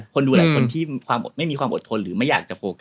คนดูหลายคนที่ไม่มีความอดทนหรือไม่อยากจะโฟกัส